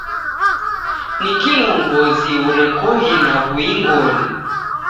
Ni kilongozi urekoghe na w'uing'oni.